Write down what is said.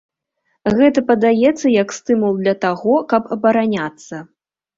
Гэта падаецца як стымул для таго, каб абараняцца.